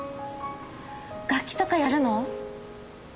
楽器とかやるの？